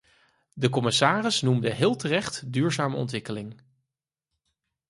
De commissaris noemde heel terecht duurzame ontwikkeling.